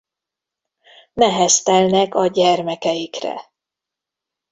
Neheztelnek a gyermekeikre.